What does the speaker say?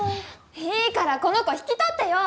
いいからこの子引き取ってよ！